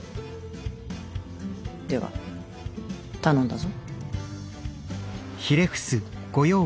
では頼んだぞ。